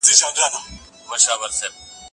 زه هره ورځ سپينکۍ پرېولم،